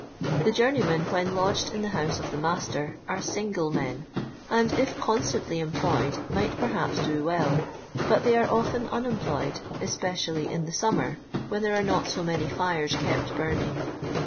The journeymen, when lodged in the bouse of the master, are single men, and if constantly em ; ployed might, perhaps, do well, but they are often unemployed, especially in tbe summer, when ' there are not so imuiy Ares kept burning.